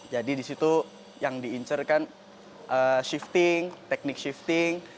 jadi di situ yang diincirkan shifting teknik shifting